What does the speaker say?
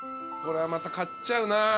これはまた買っちゃうな。